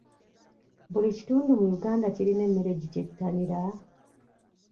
Buli kitundu mu Uganda kirina emmere gye kyettanira?